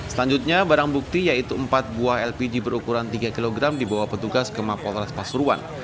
selanjutnya barang bukti yaitu empat buah lpg berukuran tiga kg dibawa petugas ke mapolres pasuruan